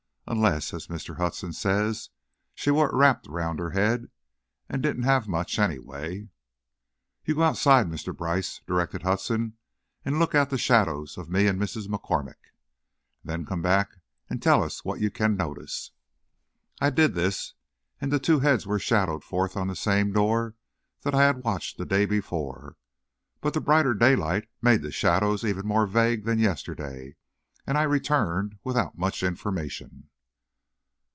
Unless, as Mr. Hudson says, she wore it wrapped round her head, and didn't have much, anyway." "You go outside, Mr. Brice," directed Hudson, "and look at the shadows of me and Miss MacCormack, and then come back and tell us what you can notice." I did this, and the two heads were shadowed forth on the same door that I had watched the day before. But the brighter daylight made the shadows even more vague than yesterday, and I returned without much information.